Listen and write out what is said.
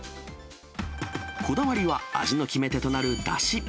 こだわりは、味の決め手となるだし。